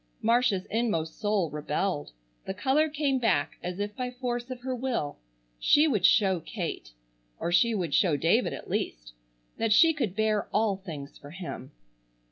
Marcia's inmost soul rebelled. The color came back as if by force of her will. She would show Kate,—or she would show David at least,—that she could bear all things for him.